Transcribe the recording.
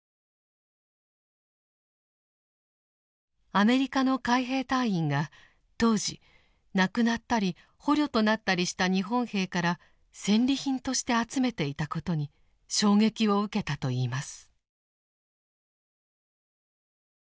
アメリカの海兵隊員が当時亡くなったり捕虜となったりした日本兵から戦利品として集めていたことに衝撃を受けたといいます。